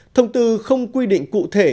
thông tư không quy định cụ thể